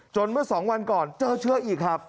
เมื่อ๒วันก่อนเจอเชื้ออีกครับ